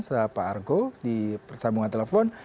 serta pak argo di persambungan telepon